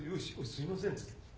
「すいません」っつった。